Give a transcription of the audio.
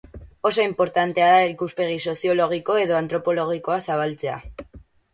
Oso inportantea da ikuspegi soziologiko edo antropologikoa zabaltzea.